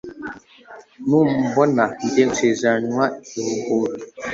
numubona njye gusezeranywa ibuhutu